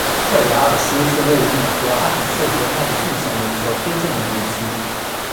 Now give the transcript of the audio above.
赫亚尔思是位于美国阿肯色州麦迪逊县的一个非建制地区。